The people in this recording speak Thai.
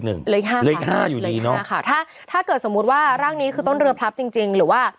เหลืออีก๕ค่ะถ้าเกิดสมมุติว่าร่างนี้คือต้นเรือพลับจริง